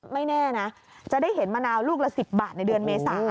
ไม่แน่นะจะได้เห็นมะนาวลูกละ๑๐บาทในเดือนเมษา